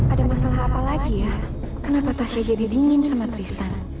ada masalah apa lagi ya kenapa tasnya jadi dingin sama tristan